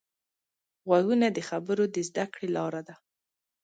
غوږونه د خبرو د زده کړې لاره ده